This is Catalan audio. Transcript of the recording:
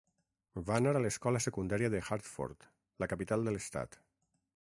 Va anar a l'escola secundària de Hartford, la capital de l'estat.